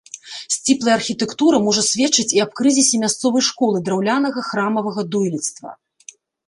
Сціплая архітэктура можа сведчыць і аб крызісе мясцовай школы драўлянага храмавага дойлідства.